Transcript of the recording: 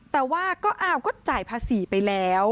แต่ว่าก็อ้าวก็จ่ายภาษีไปแล้ว